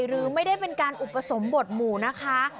หรือไม่ได้เป็นการอุปสมบทหมู่นะคะ